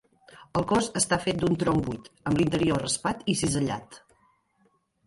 El cos està fet d'un tronc buit, amb l'interior raspat i cisellat.